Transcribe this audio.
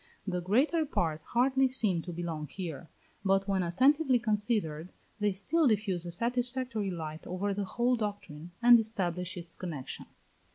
The greater part hardly seem to belong here, but, when attentively considered, they still diffuse a satisfactory light over the whole doctrine, and establish its connexion.